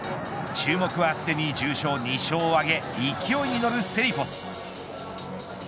注目はすでに重賞２勝を挙げ勢いに乗るセリフォス。